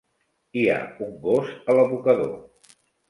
Hi ha un gos a l'abocador.